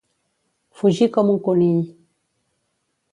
Fugir com un conill.